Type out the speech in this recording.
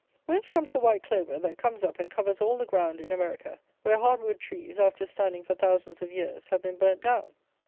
Whence comes the white clover, that comes up and covers all the ground, in America, where hard wood trees, after standing for thousands of years, have been burnt down?